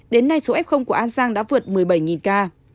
đến nay số f của an giang đã vượt một mươi bảy ca